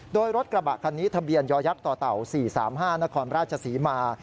โดยรถกระบะคันนี้ทะเบียนยอยักษ์ต่อเต่า๔๓๕นครราชศรีมา